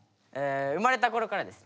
生まれたころからです。